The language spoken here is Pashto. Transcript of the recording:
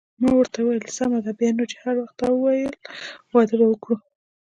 ما وویل: سمه ده، بیا نو چې هر وخت تا وویل واده به وکړو.